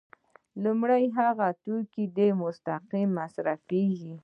لومړی هغه توکي دي چې مستقیم مصرفیږي.